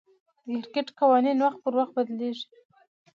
د کرکټ قوانين وخت پر وخت بدليږي.